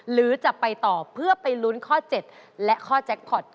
หรือจะไปต่อเพื่อไปลุ้นข้อ๗และข้อแจ็คพอร์ต